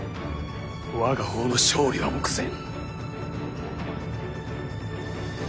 我が方の勝利は目前。